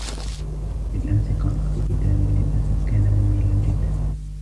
بالأمس قرأت كتاباً للأسف كان مُملاً جداً.